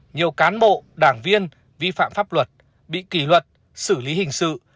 nhiều cán bộ đảng viên vi phạm pháp luật bị kỷ luật xử lý hình sự